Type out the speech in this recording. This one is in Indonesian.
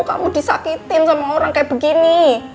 kamu disakitin sama orang kayak begini